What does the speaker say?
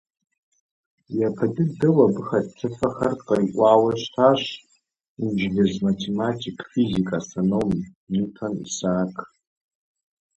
Япэ дыдэу абы хэт плъыфэхэр къриӏуауэ щытащ инджылыз математик, физик, астроном Ньютон Исаак.